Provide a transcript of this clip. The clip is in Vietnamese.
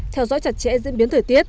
theo dõi chặt chẽ diễn biến thời tiết